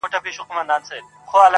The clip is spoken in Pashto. • د زمري پر ټول وجود یې کړل وارونه -